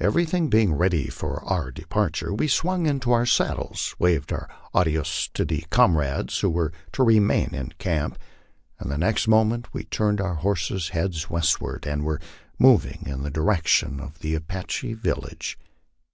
Everything being ready for our departure, we swung into our saddles, waved our adieus to the comrades who were to remain in camp, and the next moment we turned our horses' heads westward and were moving in the direc tion of the Apache village.